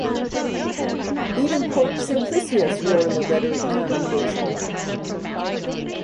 Even Pope Simplicius wrote him a letter of commendation.